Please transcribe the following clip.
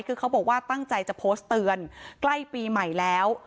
คือเขาบอกว่าตั้งใจจะโพสต์เตือนใกล้ปีใหม่แล้ว